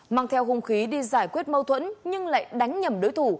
mang theo hung khí đi giải quyết mâu thuẫn nhưng lại đánh nhầm đối thủ